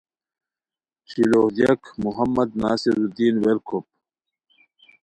شیلوغ دیاک: محمد ناصح الدین ورکوپ